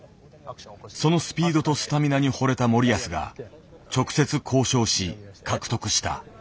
そのスピードとスタミナに惚れた森保が直接交渉し獲得した。